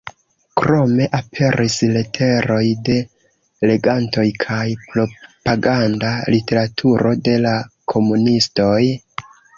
Krome aperis leteroj de legantoj kaj propaganda literaturo de la komunistoj.